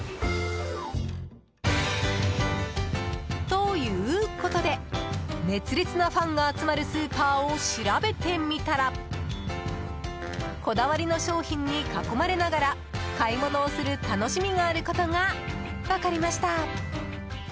ということで、熱烈なファンが集まるスーパーを調べてみたらこだわりの商品に囲まれながら買い物をする楽しみがあることが分かりました。